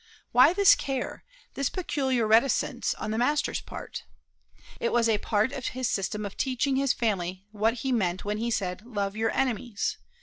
Why this care, this peculiar reticence, on the Master's part? It was a part of his system of teaching his family what he meant when he said, Love your enemies.